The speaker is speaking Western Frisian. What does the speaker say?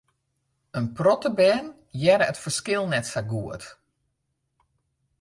In protte bern hearre it ferskil net sa goed.